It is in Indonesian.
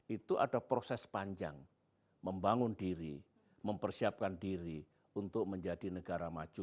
itu ada proses panjang membangun diri mempersiapkan diri untuk menjadi negara maju